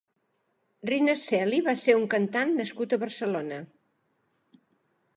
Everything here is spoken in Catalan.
Rina Celi va ser un cantant nascut a Barcelona.